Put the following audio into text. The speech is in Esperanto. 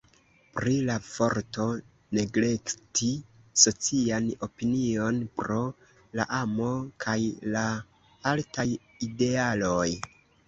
Pri la forto neglekti socian opinion pro la amo kaj la altaj idealoj.